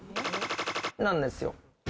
なんですよ。